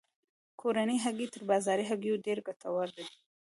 کورنۍ هګۍ تر بازاري هګیو ډیرې ګټورې دي.